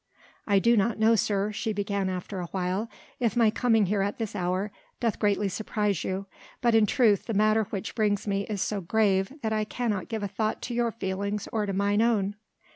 "I do not know, sir," she began after awhile, "if my coming here at this hour doth greatly surprise you, but in truth the matter which brings me is so grave that I cannot give a thought to your feelings or to mine own."